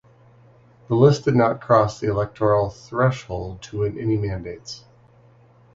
The list did not cross the electoral threshold to win any mandates.